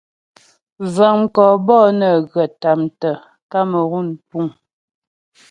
Vəŋ mkɔ bɔ'ɔ nə́ghə tâmtə Kamerun puŋ.